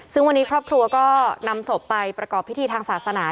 ซึ่งวันนี้ครอบครัวก็นำศพไปประกอบพิธีทางศาสนา